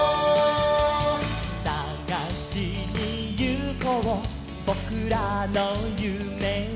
「さがしにゆこうぼくらのゆめを」